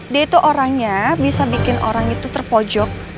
dia itu orangnya bisa bikin orang itu terpojok